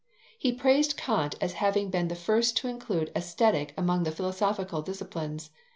He praised Kant as having been the first to include Aesthetic among the philosophical disciplines.